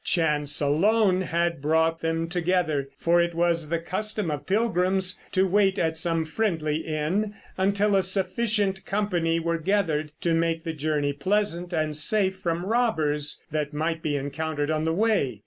Chance alone had brought them together; for it was the custom of pilgrims to wait at some friendly inn until a sufficient company were gathered to make the journey pleasant and safe from robbers that might be encountered on the way.